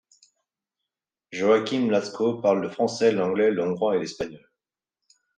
Joakim Latzko parle le français, l'anglais, le hongrois et l'espagnol.